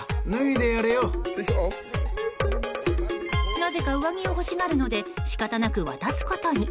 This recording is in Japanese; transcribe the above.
なぜか上着を欲しがるので仕方なく渡すことに。